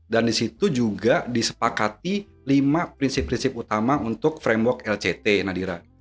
dan di situ juga disepakati lima prinsip prinsip utama untuk framework lct nadira